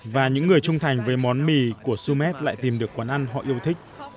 và những người trung thành về món mì của sumet lại tìm được quán ăn họ yêu thích